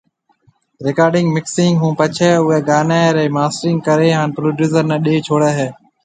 رڪارڊنگ مڪسنگ ھونپڇي اوئي گاني ري ماسٽرنگ ڪري ھان پروڊيوسر ني ڏي ڇوڙي ھيَََ